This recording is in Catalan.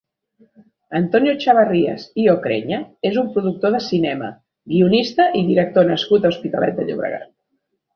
Antonio Chavarrías i Ocreña és un productor de cinema, guionista i director nascut a l'Hospitalet de Llobregat.